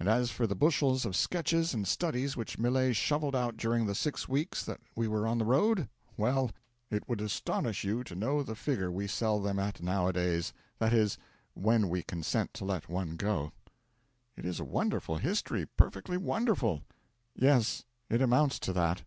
And as for the bushels of sketches and studies which Millet shovelled out during the six weeks that we were on the road, well, it would astonish you to know the figure we sell them at nowadays that is, when we consent to let one go!' 'It is a wonderful history, perfectly wonderful!' 'Yes it amounts to that.'